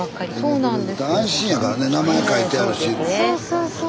そうそうそうそう。